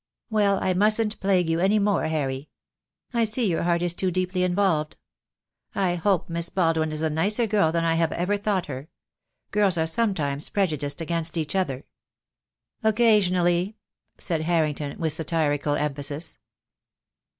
"Well, I mustn't plague you any more, Harry. I see your heart is too deeply involved. I hope Miss Baldwin is a nicer girl than I have ever thought her. Girls are sometimes prejudiced against each other." "Occasionally," said Harrington, with satirical em phasis.